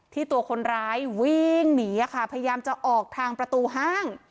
ตัวคนร้ายวิ่งหนีค่ะพยายามจะออกทางประตูห้าง